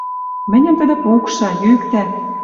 Мӹньӹм тӹдӹ пукша, йӱктӓ